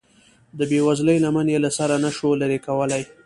د بې وزلۍ لمن یې له سره نشوه لرې کولی.